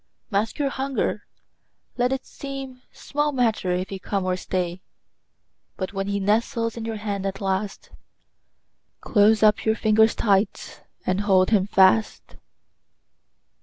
Mask your hunger; let it seem Small matter if he come or stay; But when he nestles in your hand at last, Close up your fingers tight and hold him fast.